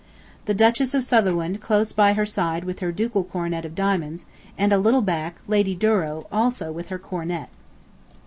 The Duchess of Sutherland close by her side with her ducal coronet of diamonds, and a little back, Lady Douro, also, with her coronet.